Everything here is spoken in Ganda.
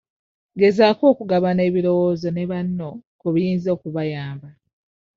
Gezaako okugabana ebirowoozo ne banno ku biyinza okubayamba.